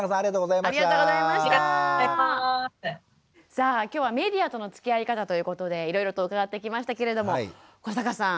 さあ今日は「メディアとのつきあい方」ということでいろいろと伺ってきましたけれども古坂さん